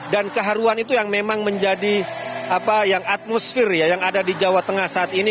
dan keharuan itu yang memang menjadi atmosfer yang ada di jawa tengah saat ini